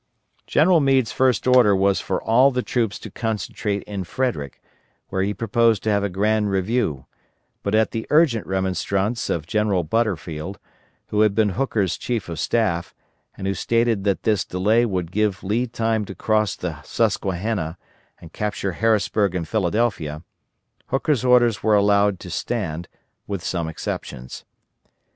General Meade's first order was for all the troops to concentrate in Frederick, where he proposed to have a grand review; but at the urgent remonstrance of General Butterfield, who had been Hooker's Chief of Staff, and who stated that this delay would give Lee time to cross the Susquehanna, and capture Harrisburg and Philadelphia, Hooker's orders were allowed to stand, with some exceptions.